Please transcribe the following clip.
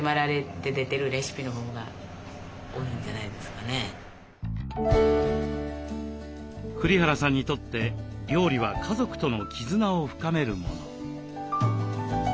だからそういうことも私も栗原さんにとって料理は家族との絆を深めるもの。